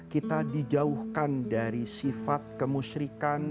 kita dijauhkan dari sifat kemusyrikan